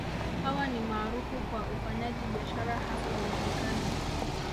Hawa ni maarufu kwa ufanyaji biashara hasa za madukani